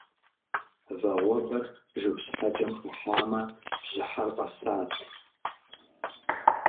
Вагъуэбэр жыг щхьэкӀэм хыхьамэ бжьыхьэр къэсат.